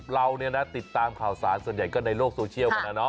เราเนี่ยนะติดตามข่าวสารส่วนใหญ่ก็ในโลกโซเชียลกันนะเนาะ